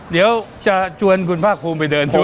เดี๋ยวจะจวนคุณพระคุณไปเดินด้วย